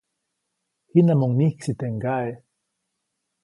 Jiʼnamuŋ myiksi teʼ kaʼe.